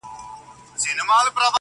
مُلا هم سو پکښي سپور په جګه غاړه،